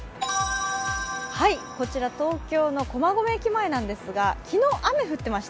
こちら東京の駒込駅前なんですが、昨日、雨、降ってました。